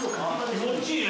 気持ちいい。